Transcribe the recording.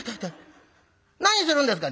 何するんですか！」。